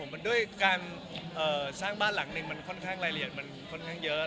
มันด้วยการสร้างบ้านหลังหนึ่งมันค่อนข้างรายละเอียดมันค่อนข้างเยอะ